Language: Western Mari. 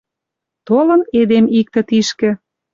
Толын эдем иктӹ тишкӹ